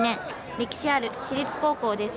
歴史ある私立高校です。